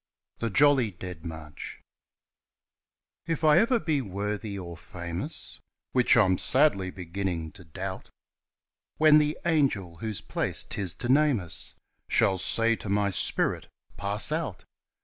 The Jolly Dead March F I ever be worthy or famous Which I'm sadly beginning to doubt When the angel whose place 'tis to name us Shall say to my spirit, "Pass out!"